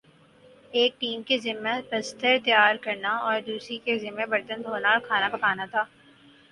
ایک ٹیم کے ذمہ بستر تیار کرنا اور دوسری کے ذمہ برتن دھونا اور کھانا پکانا تھا ۔